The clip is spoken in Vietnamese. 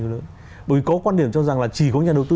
bởi có quan điểm cho rằng là chỉ có nhà đầu tư